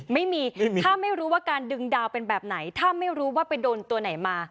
ไม่มีถ้าไม่รู้ว่าการดึงดาวเป็นแบบไหนถ้าไม่รู้ว่าไปโดนตัวไหนมา